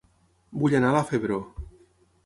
Vull anar a La Febró